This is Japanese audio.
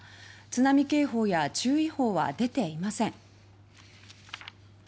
津波警報や注意報は出ていません。